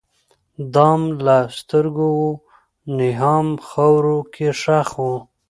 دام له سترګو وو نیهام خاورو کي ښخ وو